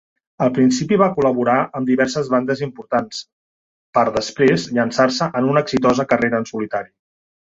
Al principi va col·laborar amb diverses bandes importants, per després llançar-se en una exitosa carrera en solitari.